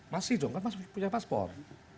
masih dong kan masih punya paspor